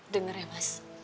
dengar ya mas